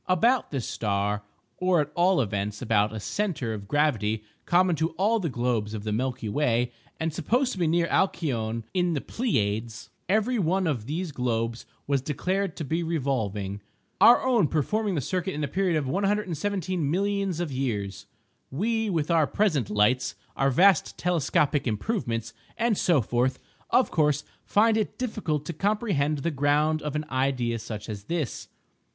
About this star, or at all events about a centre of gravity common to all the globes of the Milky Way and supposed to be near Alcyone in the Pleiades, every one of these globes was declared to be revolving, our own performing the circuit in a period of 117,000,000 of years! We, with our present lights, our vast telescopic improvements, and so forth, of course find it difficult to comprehend the ground of an idea such as this.